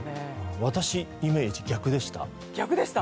私、イメージ、逆でした。